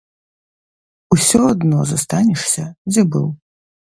Усё адно застанешся дзе быў.